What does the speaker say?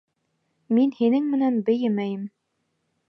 Мин һинең менән бейемәйем.